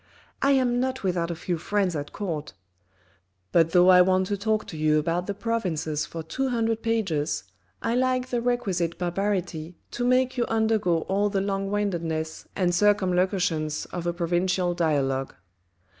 " I am not without a few friends at court !" But though I want to talk to you about the provinces for two hundred pages, I lack the requisite barbarity to make you undergo all the long windedness and circtimlocutions of a provincial dialogue.